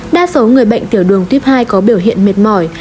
đa số người bệnh tiểu đường tuyếp hai có biểu hiện mệt mỏi